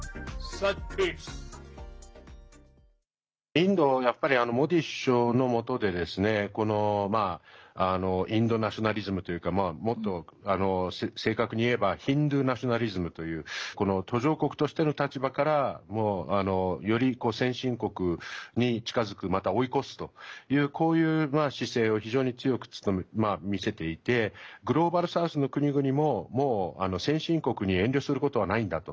インドはやっぱりモディ首相の下でインドナショナリズムというかもっと正確に言えばヒンドゥーナショナリズムというこの途上国としての立場からより先進国に近づくまた、追い越すというこういう姿勢を非常に強く見せていてグローバル・サウスの国々ももう先進国に遠慮することはないんだと。